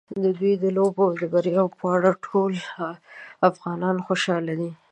د دوی د لوبو د بریاوو په اړه ټول افغانان خوشاله دي.